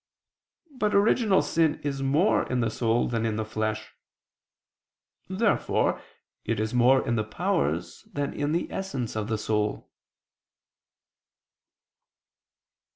But original sin is more in the soul than in the flesh. Therefore it is more in the powers than in the essence of the soul.